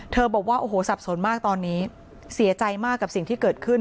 บอกว่าโอ้โหสับสนมากตอนนี้เสียใจมากกับสิ่งที่เกิดขึ้น